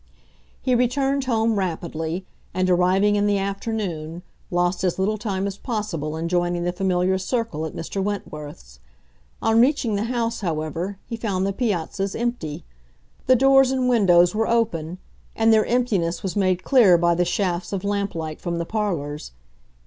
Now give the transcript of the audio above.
He returned home rapidly, and, arriving in the afternoon, lost as little time as possible in joining the familiar circle at Mr. Wentworth's. On reaching the house, however, he found the piazzas empty. The doors and windows were open, and their emptiness was made clear by the shafts of lamp light from the parlors.